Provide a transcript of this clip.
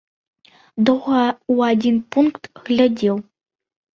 Доўга ў адзін пункт глядзеў.